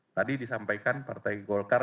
tadi disampaikan partai golkar